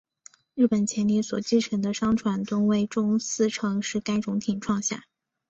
日本潜艇所击沉的商船吨位中四成是该种艇创下。